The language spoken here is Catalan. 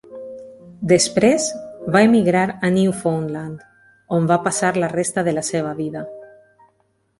Després, va emigrar a Newfoundland, on va passar la resta de la seva vida.